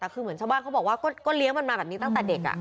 แต่คือเหมือนชาวบ้านเขาบอกว่าก็เลี้ยงมันมาแบบนี้ตั้งแต่เด็ก